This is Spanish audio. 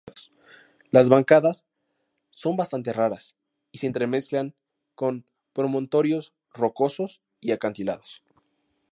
Las bancadas son bastante raras, y se entremezclan con promontorios rocosos y acantilados.